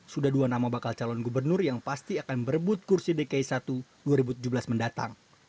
sudah dua nama bakal calon gubernur yang pasti akan berebut kursi dki satu dua ribu tujuh belas mendatang